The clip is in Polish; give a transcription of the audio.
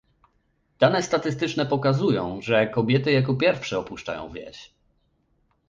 Dane statystyczne pokazują, że kobiety jako pierwsze opuszczają wieś